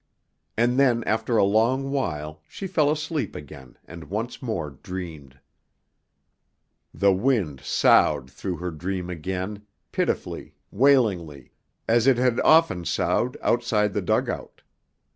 And then after a long while she fell asleep again and once more dreamed. The wind soughed through her dream again, pitifully, wailingly, as it had often soughed outside the dugout.